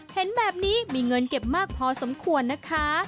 เห็นแบบนี้มีเงินเก็บมากพอสมควรนะคะ